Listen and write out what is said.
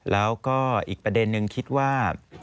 แล้วก็อีกประเด็นนึงคิดว่า